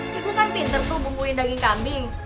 ya gue kan pinter tuh bumbuin daging kambing